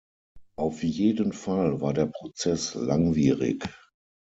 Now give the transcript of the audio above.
Auf jeden Fall war der Prozess langwierig.